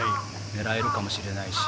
狙えるかもしれないし。